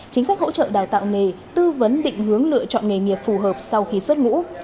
chính sách hỗ trợ đào tạo nghề tư vấn định hướng lựa chọn nghề nghiệp phù hợp sau khi xuất ngũ